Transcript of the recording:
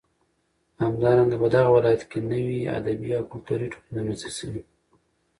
همدارنگه په دغه ولايت كې نوې ادبي او كلتوري ټولنې رامنځ ته شوې.